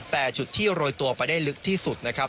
แต่จุดที่โรยตัวไปได้ลึกที่สุดนะครับ